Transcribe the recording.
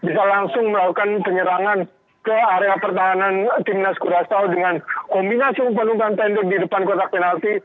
bisa langsung melakukan penyerangan ke area pertahanan timnas kurasaw dengan kombinasi umpan umpan tender di depan kotak penalti